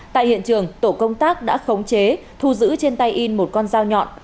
tại hiện trường tổ công tác đã khống chế thu giữ trên tay in một con dao nhọn